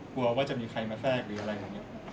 กลัวว่าจะมีใครมาแทรกหรืออะไรแบบนี้